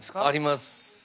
あります。